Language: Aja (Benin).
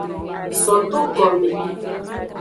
So do gome.